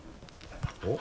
おっ？